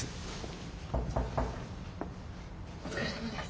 お疲れさまです。